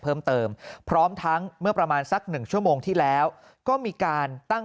เพิ่มเติมพร้อมทั้งเมื่อประมาณสักหนึ่งชั่วโมงที่แล้วก็มีการตั้ง